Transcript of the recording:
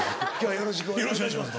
よろしくお願いします。